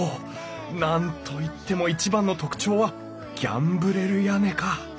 何と言っても一番の特徴はギャンブレル屋根か。